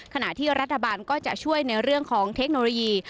ขณะที่รัฐบาลก็จะช่วยในเรื่องของเทคโนโลยี